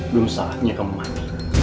belum saatnya kamu mati